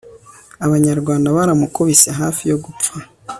abanyarwanda baramukubise hafi yogupfa